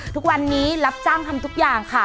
ทุกวันนี้รับจ้างทำทุกอย่างค่ะ